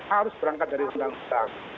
harus berangkat dari sedang sedang